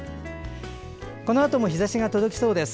このあとも日ざしが届きそうです。